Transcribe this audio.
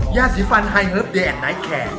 ยาสีฟันไฮเฮิร์ฟแดงไนท์แคร์